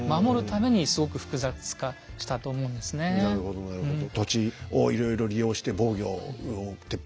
なるほどなるほど。